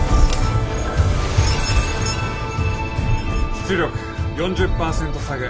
出力４０％下げ。